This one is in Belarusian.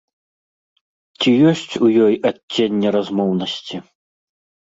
Ці ёсць у ёй адценне размоўнасці?